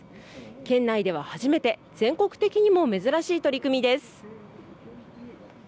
県内では初めて全国的にも珍しい取り組みです。